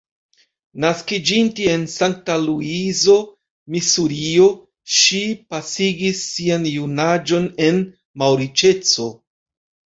Naskiĝinte en Sankta-Luizo, Misurio, ŝi pasigis sian junaĝon en malriĉeco.